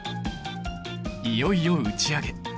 いよいよ打ち上げ！